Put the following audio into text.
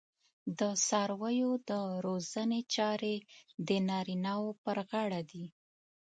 د څارویو د روزنې چارې د نارینه وو پر غاړه دي.